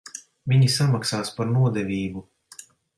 Viņi samaksās par nodevību.